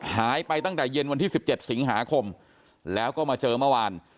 หายไปตั้งแต่เย็นวันที่๑๗สิงหาคมแล้วก็มาเจอเมื่อวาน